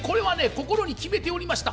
心に決めておりました。